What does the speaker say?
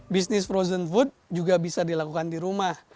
bisnis frozen food juga bisa dilakukan di rumah